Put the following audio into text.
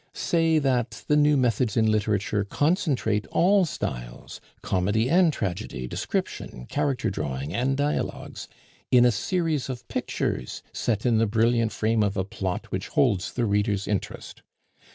Say that the new methods in literature concentrate all styles, comedy and tragedy, description, character drawing and dialogues, in a series of pictures set in the brilliant frame of a plot which holds the reader's interest.